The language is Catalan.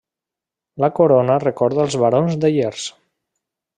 La corona recorda els barons de Llers.